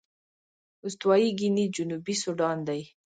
استوايي ګيني جنوبي سوډان دي.